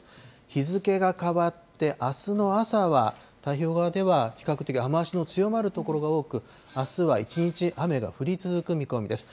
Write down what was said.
日付が変わって、あすの朝は、太平洋側では比較的、雨足の強まる所が多く、あすは一日雨が降り続く見込みです。